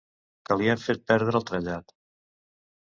Que li han fet perdre el trellat...